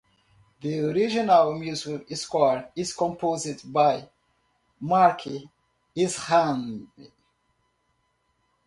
The original music score is composed by Mark Isham.